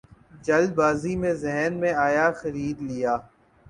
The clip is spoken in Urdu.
جلد بازی میں ذہن میں آیا خرید لیا